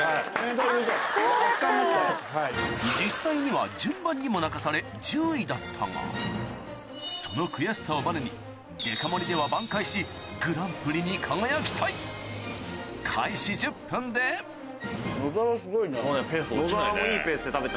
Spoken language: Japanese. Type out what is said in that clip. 実際には順番にも泣かされその悔しさをバネにデカ盛りでは挽回しグランプリに輝きたい野澤も。